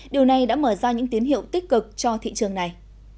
điều này đã mở ra những tín hiệu tích cực cho thị trường này